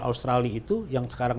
australia itu yang sekarang